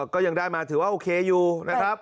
ก็ยังได้มาถือว่าโอเคอยู่นะครับ